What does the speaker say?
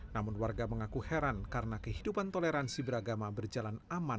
namun warga mengaku heran karena kehidupan toleransi beragama berjalan aman